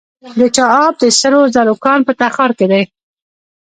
د چاه اب د سرو زرو کان په تخار کې دی.